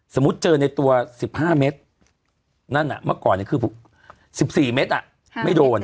สมมุติเจอในตัวสิบห้าเมตรนั่นอ่ะเมื่อก่อนเนี้ยคือสิบสี่เมตรอ่ะไม่โดน